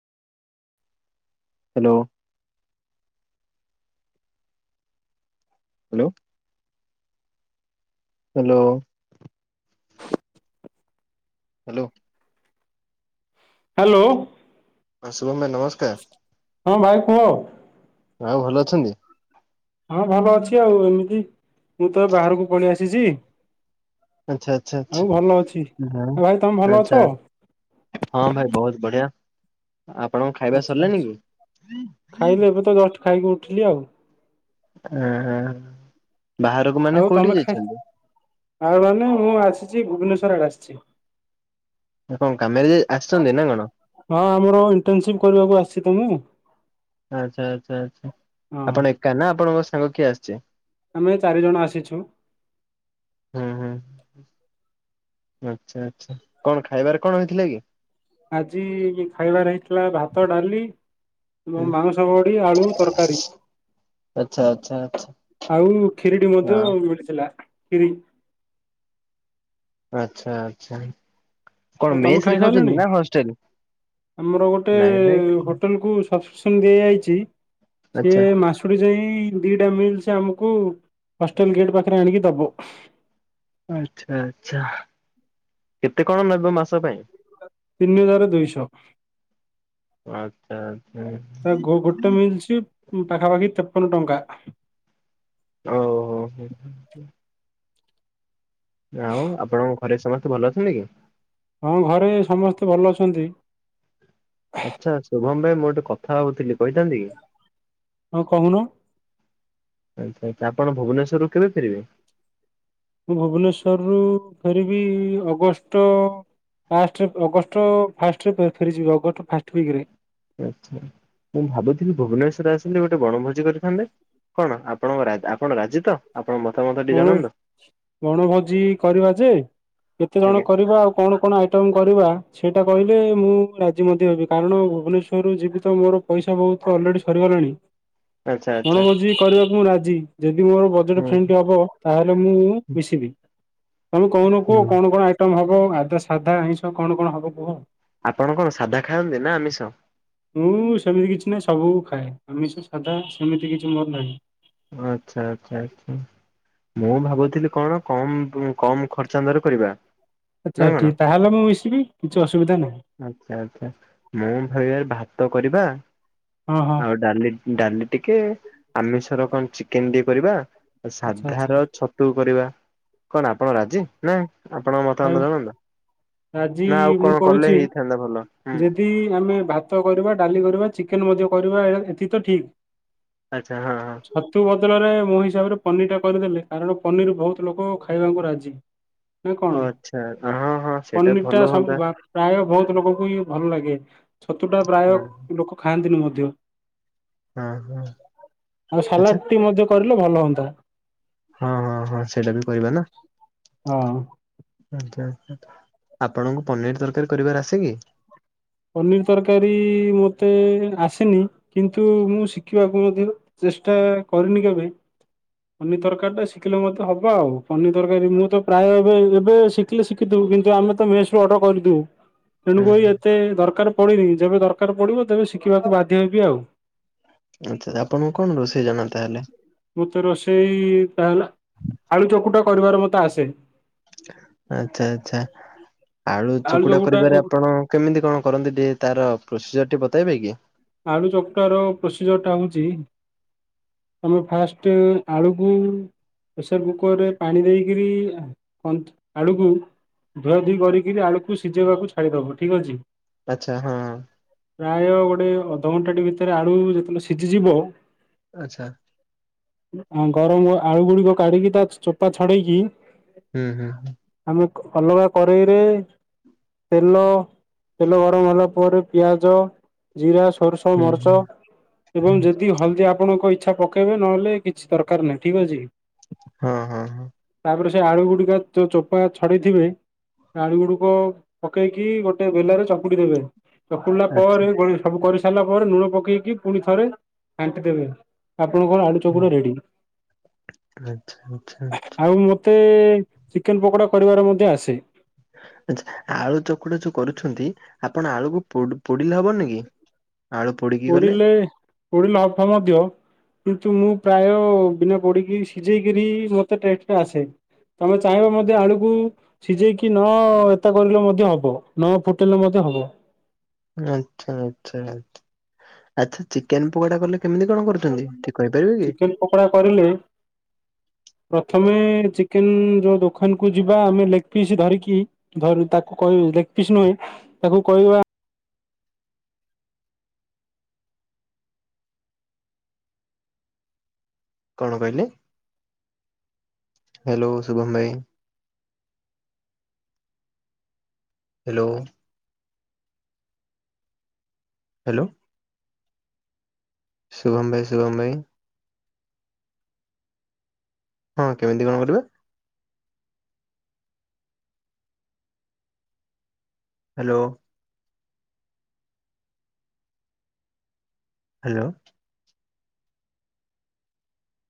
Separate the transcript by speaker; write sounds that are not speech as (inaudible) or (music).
Speaker 1: Hello. Hello. Hello.
Speaker 2: (inaudible)
Speaker 1: Hello.
Speaker 2: Hello.
Speaker 1: ହଁ ଶୁଭମ ଭାଇ ନମସ୍କାର।
Speaker 2: ହଁ ଭାଇ କୁହ?
Speaker 1: ଆଉ ଭଲ ଅଛନ୍ତି?
Speaker 2: ହଁ ଭଲ ଅଛି ଆଉ ଏମିତି ମୁଁ ତ ବାହାରକୁ ପଳେଇ ଆସିଛି
Speaker 1: ଆଚ୍ଛା ଆଚ୍ଛା ଆଚ୍ଛା
Speaker 2: ଆଉ ଭଲ ଅଛି
Speaker 1: ହଁ
Speaker 2: ଭାଇ ତମେ ଭଲ
Speaker 1: ଆଚ୍ଛା
Speaker 2: ଅଛ?
Speaker 1: ହଁ ଭାଇ ବହୁତ ବଢିଆ ଆପଣଙ୍କ ଖାଇବା
Speaker 2: ଆଚ୍ଛା
Speaker 1: ସରିଲାଣି
Speaker 2: ଆଚ୍ଛା
Speaker 1: କି?
Speaker 2: ଖାଇଲି ଏବେ ତ ଜଷ୍ଟ ଖାଇକି ଉଠିଲି ଆଉ।
Speaker 1: ଏ ହଁ।
Speaker 2: ଆଉ ତମେ ଖାଇ ଆଉ ମାନେ ମୁଁ ଆସିଛି ଭୁବନେଶ୍ଵର ଆଡେ ଆସିଛି।
Speaker 1: ଆ କଣ କାମରେ ଯାଇ ଆସିଛନ୍ତି ନା କଣ?
Speaker 2: ହଁ ଆମର ଇଣ୍ଟରନସିପ କରିବାକୁ ଆସିଛି ତ ମୁଁ।
Speaker 1: ଆଚ୍ଛା ଆଚ୍ଛା ଆଚ୍ଛା
Speaker 2: ହଁ
Speaker 1: ଆପଣ ଏକା ନା ଆପଣଙ୍କ ସାଙ୍ଗ କିଏ ଆସିଛି?
Speaker 2: ଆମେ ଚାରିଜଣ ଆସିଛୁ।
Speaker 1: ହୁଁ ହୁଁ, ଆଚ୍ଛା ଆଚ୍ଛା କଣ ଖାଇବାରେ କଣ ହେଇଥିଲା କି?
Speaker 2: ଆଜି ଖାଇବାର ହେଇଥିଲା ଭାତ ଡାଲି ଏବଂ ମାଂଉଷ ବଡ଼ି ଆଳୁ ତରକାରୀ।
Speaker 1: ଆଚ୍ଛା ଆଚ୍ଛା ଆଚ୍ଛା
Speaker 2: ଆଉ ଖରିଟି ମଧ୍ୟ
Speaker 1: ହଁ
Speaker 2: ମିଳିଥିଲା ଖିରି।
Speaker 1: ଆଛା ଆଚ୍ଛା।
Speaker 2: ଆଉ
Speaker 1: କଣ
Speaker 2: ତମେ
Speaker 1: ମେସେ ରେ
Speaker 2: ଖାଇସାରିଲଣି?
Speaker 1: ଖାଉଛନ୍ତି ନା ହଷ୍ଟେଲ?
Speaker 2: ଆମର ଗୋଟେ
Speaker 1: ନାଇଁ ଭାଇ
Speaker 2: ହୋଟେଲକୁ ସବସ୍କ୍ରିପସନ୍ ଦିଆଯାଇଛି। ସିଏ
Speaker 1: ଆଚ୍ଛା
Speaker 2: ମାସ ଖୁରୁ ଯାଇ ଦିଟା ମିଲ୍ସି ଆମକୁ ହଷ୍ଟେଲ ଗେଟ ପାଖରେ ଆଣିକି ଦବ।
Speaker 1: ଆଚ୍ଛା ଆଛା, କେତେ କଣ ନବ ମାସ ପାଇଁ?
Speaker 2: ତିନିହଜାରେ ଦୁଇଶ।
Speaker 1: ଆଚ୍ଛା ଆଚ୍ଛା।
Speaker 2: ଗୋଟେ ମିଲ୍ସୀ। ପଖାପାଖି ତେପନ ଟଙ୍କା।
Speaker 1: ଓ ହୋ ହୋ ହୋ। ଆଉ ଆପଣଙ୍କ ଘରେ ସମସ୍ତେ ଭଲ ଅଛନ୍ତି କି?
Speaker 2: ହଁ ଘରେ ସମସ୍ତେ ଭଲ ଅଛନ୍ତି।
Speaker 1: ଆଚ୍ଛା ଶୁଭମ ଭାଇ ମୁଁ ଗୋଟେ କଥା ଭାବୁଥିଲି କହିଥାନ୍ତି କି?
Speaker 2: ହଁ କହୁନ।
Speaker 1: ଆଚ୍ଛା ଆଚ୍ଛା ଆପଣ ଭୁବନେଶ୍ୱରରୁ କେବେ ଫେରିବେ?
Speaker 2: ମୁଁ ଭୁବନେଶ୍ଵରରୁୁ ଫେରିବି ଅଗଷ୍ଟ ଫାଷ୍ଟରେ ଅଗଷ୍ଟ ଫାଷ୍ଟରେ ଫେରିଯିବେ ଅଗଷ୍ଟ ଫାଷ୍ଟ ୱିକରେ।
Speaker 1: ଆଛା, ମୁଁ ଭାବୁଥିଲି ଭୁବନେସ୍ୱର ଆସିଲି ଗୋଟେ ବଣଭୋଜି କରିଥାନ୍ତେ? କଣ ଆପଣଙ୍କ ଆପଣ ରାଜି ତ? ଆପଣ ମତାମତ ଟିକେ
Speaker 2: ବଣ
Speaker 1: ଜଣାନ୍ତୁ
Speaker 2: ବଣଭୋଜି କରିବା ଯେ କେତେ ଜଣ
Speaker 1: ଆଜ୍ଞା
Speaker 2: କରିବା ଆଉ କଣ କଣ ଆଇଟମ୍ କରିବା ସେଇଟା କହିଲେ ମୁଁ ରାଜି ମଧ୍ୟ ହେବି କାରଣ ଭୁବନେଶ୍ୱରରୁ ଯିବି ତ ମୋର ପଇସା ବହୁତ ଅଲରେଡି ସରିଗଲାଣି।
Speaker 1: ଆଚ୍ଛା ଆଚ୍ଛା।
Speaker 2: କଣ ଭୋଜୀ କରିବାକୁ ମୁଁ ରାଜି ଯଦି ମୋର ବଜେଟ
Speaker 1: ହୁଁ
Speaker 2: ଫ୍ରେଣ୍ଡ ହବ ତାହେଲେ ମୁଁ ମିଶିବି ତମେ କହୁନୁ କୁହ
Speaker 1: ହୁଁ
Speaker 2: କଣ କଣ ଆଇ ଟମ ହେବ ଆଦା ସାଧା ଆଇଁଷ କଣ କଣ ହେବ କୁହ?
Speaker 1: ଆପଣ କଣ ସାଧା ଖାଆନ୍ତି ନା ଆମିଷ?
Speaker 2: ମୁଁ ସେମିତି କିଛି ନାହିଁ ସବୁ ଖାଏ ଆମିଷ ସାଧା ସେମିତି କିଛି ମୋର ନାହିଁ।
Speaker 1: ଆଚ୍ଛା ଆଚ୍ଛା ଆଛା। ମୁଁ ଭାବୁଥିଲି କଣ କମ କମ ଖର୍ଚ୍ଚାନ୍ତର କରିବା।
Speaker 2: ଆଚ୍ଛା
Speaker 1: ନା କଣ?
Speaker 2: ଠିକ ତାହେଲେ ମୁଁ ମିଶିବି କିଛି ଅସୁବିଧା ନାହିଁ।
Speaker 1: ଆଚ୍ଛା ଆଚ୍ଛା ମୁଁ ଭାବିବାର ଭାତ କରିବା
Speaker 2: ହଁ ହଁ
Speaker 1: ଆଉ ଡାଲି ଡାଲି ଟିକେ ଆମିଷର କଣ ଚିକେନ ଟିକେ କରିବା
Speaker 2: ଆଚ୍ଛା ଆଚ୍ଛା
Speaker 1: ସାଧାର ଛ ତୁ କରିବା କଣ ଆପଣ ରାଜି? ନା ଆପଣଙ୍କ ମତା
Speaker 2: ଆଉ
Speaker 1: ମତ ଜଣନ୍ତା
Speaker 2: ଆଜି
Speaker 1: ନା ଆଉ କଣ କଲେ ହେଇଥାନ୍ତା ଭଲ? ହୁଁ।
Speaker 2: ଏଠି ଆମେ ଭାତ କରିବା ଡାଲି କରିବା ଚିକେନ ମଧ୍ୟ କରିବା ଏତିିକି ତ ଠିକ୍।
Speaker 1: ଆଚ୍ଛା ହଁ ହଁ।
Speaker 2: ଛତୁ ବଦଳରେ ମୋ ହିସାବରେ ପନିରଟା କରିଦେଲେ କାରଣ ପନିର ଭଉତ୍ ଲୋକ ଖାଇବାଙ୍କୁ ରାଜି।
Speaker 1: ହ
Speaker 2: ନାଁ କଣ?
Speaker 1: ଛା ଅ ହଁ ହଁ ସେଇଟା
Speaker 2: ପନିର ଟା
Speaker 1: ଭଲ
Speaker 2: ସବୁ
Speaker 1: ହୁଅନ୍ତା।
Speaker 2: ବା- ପ୍ରାୟ ବହୁତ ଲୋକଙ୍କୁ ହିଁ ଭଲ ଲାଗେ ଛତୁଟା ପ୍ରାୟ
Speaker 1: ହଁ
Speaker 2: ଲୋକ ଖାଆନ୍ତିନି ମଧ୍ୟ
Speaker 1: ହଁ ହଁ
Speaker 2: ଆଉ
Speaker 1: ଆଚ୍ଛା
Speaker 2: ସାଲାଡ଼ ଟି ମଧ୍ୟ କରିଲେ ଭଲ ହନ୍ତା‌‌।
Speaker 1: ହଁ ହଁ ହଁ ସେଇଟା ବି କରିବା ନା।
Speaker 2: ଅ।
Speaker 1: ଆଚ୍ଛା ଆଚ୍ଛା ତ ଆପଣଙ୍କୁ ପନିଅରୀ ତରକାରୀ କରିବାର ଆସେ କି?
Speaker 2: ପନିର ତରକାରୀ ମତେ ଆସେନି କିନ୍ତୁ ମୁଁ ଶିଖିବାକୁ ମଧ୍ୟ ଚେଷ୍ଟା କରିନି କେବେ। ପନିର ତରକାରୀଟା ଶିକିଲେ ମତେ ହବ ଆଉ ପନିର ତରକାରୀ ମୁଁ ତ ପ୍ରାୟ ଏବେ ଏବେ ଶି ଖିଲେ ଶିଖିଥୁ କିନ୍ତୁ ଆମେ ତ ମେସ୍ ରୁ ଅଡ଼ର୍ କରିଦୋଉ।
Speaker 1: ହଁ
Speaker 2: ତେଣୁ କରି ଏତେ ଦରକାର ପଡ଼ିନି ଯେବେ ଦରକାର ପଡ଼ିବ ତେବେ ଶିକିବାକୁ ବାଧ୍ୟ ହେବି ଆଉ।
Speaker 1: ଆଚ୍ଛା ଆପଣ କଣ ରୋଷେଇ ଜାଣ ତାହେଲେ?
Speaker 2: ମତେ ରୋଷେଇ ତାହେଲେ ଆଳୁ ଚକୁଟା କରିବାର ମତେ ଆସେ
Speaker 1: ଆଚ୍ଛା ଆଚ୍ଛା ଆଳୁ ଚକୁଡ଼ା କରିବାରେ ଆପଣ କେମିତି କଣ କରନ୍ତି ଟିକେ ତାର ପ୍ରୋସିଜର ଟିଏ ବତେଇବେ କି?
Speaker 2: ଆଳୁ ଚକୁଟାର ପ୍ରୋସିଜର୍ ଟା ହଉଚି ତମେ ଫାଷ୍ଟେ ଆଳୁକୁ ପେସର୍ କୁକର୍ ରେ ପାଣି ଦେଇକରି ଆଁ କନ୍ତ ଆଳୁକୁ ଧୁଆଧୁଇ କରିକିନି ଆଳୁକୁ ସିଜେଇବାକୁ ଛାଡ଼ିଦବ ଠିକ୍ ଅଛି।
Speaker 1: ଆଚ୍ଛା ହଁ।
Speaker 2: ପ୍ରାୟ ଗୋଟେ ଅଧଘଣ୍ଟାଟି ଭିତରେ ଆଳୁ ଯେତଳେ ସିଝିଯିବ
Speaker 1: ଆଚ୍ଛା।
Speaker 2: ଆ ଗରମ ଆଳୁ ଗୁଡ଼ିକ କାଢି଼କି ତା ଚ୍ ଚୋପା ଛଡ଼େଇକି
Speaker 1: ଉଁ ହୁଁ ହୁଁ।
Speaker 2: ଆମେ କ୍ ଅଲଗା କରେଇରେ ତେଲ ତେଲ ଗରମ ହେଲା ପରେ ପିଆଜ, ଜିରା ଓ
Speaker 1: ହୁଁ
Speaker 2: ମରଚ
Speaker 1: ହୁଁ
Speaker 2: ଏବଂ ଯଦି ହଲଦିଆ ପଣଙ୍କ ଇଚ୍ଛା ପକାଇବେ ନହେଲେ କିଛି ଦରକାର ନାହିଁ ଠିକ୍ ଅଛି।
Speaker 1: ହଁ ହଁ ହଁ।
Speaker 2: ଆପରେ ସେ ଆଳୁ ଗୁଡ଼ିକ ତ ଚୋପା ଛଡ଼େଇଥିବେ ଆଳୁ ଗୁଡ଼ିକ ପକେଇକି ଗୋଟେ ବେଲାରେ ଚକୁଡି଼ ଦେବେ। ଚକୁଡି଼ଲା
Speaker 1: ଆଚ୍ଛା
Speaker 2: ପରେ ଗୋଳେଇ ସବୁ କରି ଥାଲା ପରେ ଲୁଣ ପକେଇକି ପୁଣି ଥରେ ଘାଣ୍ଟି ଦେବେ ଆପଣଙ୍କର ଆଳୁ ଚ
Speaker 1: ହୁଁ,
Speaker 2: ପୁରା ରେଡ଼ି
Speaker 1: ଆଚ୍ଛା ଆଚ୍ଛା
Speaker 2: ଆଉ ତେ ଚିକେନ୍ ପକଡ଼ା କରିବାର ମଧ୍ୟ ଆସେ।
Speaker 1: ଆଚ୍ଛା ଆଳୁ ଚକୁଡ଼ା ଯୋଉ କରୁଛନ୍ତି ଆପଣ ଆଳୁକୁ ପୋଡ଼ି ପୋଡ଼ିଲେ ହବନି କି? ଆଳୁ ପୋଡ଼ି
Speaker 2: ପୋଡ଼ିଲେ ପୋଡ଼ିଲେ ହଫ ମଧ୍ୟ। କିନ୍ତୁ ମୁଁ ପ୍ରାୟ ବିନା ପୋଡି଼କି ସିଜେଇକରି ମତେ ଟେଷ୍ଟ ଟା ଆସେ। ତମେ ଚାହିଁବ ମଧ୍ୟ ଆଳୁକୁ ସିଜେଇକି ନ ଏତେ କରିଲେ ମଧ୍ୟ ହବ। ନ ଫୁଟେଇଲେ ମଧ୍ୟ ହବ।
Speaker 1: ଆଚ୍ଛା, ଆଚ୍ଛା, ଆଚ୍ଛା, ଆଚ୍ଛା ଚିକେନ ପକୋଡ଼ା କଲେ କେମିତି କଣ କରୁଛନ୍ତି ଟିକେ କହିପାରିବେ କି?
Speaker 2: ପକୋଡ଼ା କରିଲେ ପ୍ରଥମେ ଚିକେନ ଯୋଉ ଦୋକାନକୁୁ ଯିବା, ଆମେ ଲେଗପିସ୍ ଧରିକି ଧରୁ ତାକୁ କହିବୁ ଲେଗ୍ ପିସ୍ ନୁହେଁ ତାକୁ କହିବା
Speaker 1: କଣ କହିଲେ ହାଲୋ ଶୁଭମ୍ ଭାଇ? ହେଲୋ। ହାଲୋ। ଶୁଭମ୍ ଭାଇ ଶୁଭମ୍ ଭାଇ। ହଁ, କେମିତି କଣ କରିବେ? ହାଲୋ। ହାଲୋ।